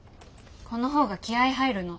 この方が気合い入るの。